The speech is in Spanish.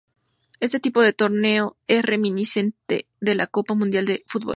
Este tipo de torneo es reminiscente de la Copa Mundial de Fútbol.